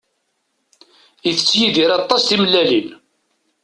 Itett Yidir aṭas timellalin.